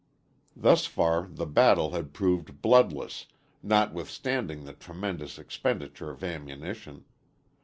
Thus far the battle had proved bloodless, notwithstanding the tremendous expenditure of ammunition.